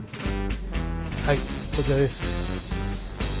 はいこちらです。